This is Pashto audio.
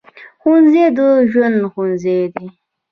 ښوونځی د ژوند ښوونځی دی